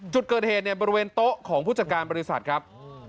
จุดเกิดเหตุเนี่ยบริเวณโต๊ะของผู้จัดการบริษัทครับ